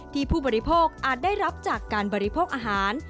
ผู้บริโภคอาจได้รับจากการบริโภคอาหาร